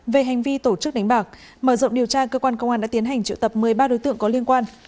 về hành vi tổ chức đánh bạc mở rộng điều tra cơ quan công an đã tiến hành triệu tập một mươi ba đối tượng có liên quan